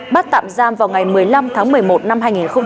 bắt tạm giam vào ngày một mươi năm tháng một mươi một năm hai nghìn hai mươi ba